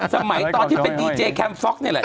สมัยตอนที่เป็นดีเจแคมฟ็อกนี่แหละ